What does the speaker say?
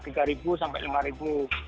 tiga ribu sampai lima ribu